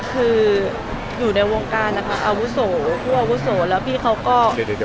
คืออยู่ในวงการนะคะอาวุโสผู้อาวุโสแล้วพี่เขาก็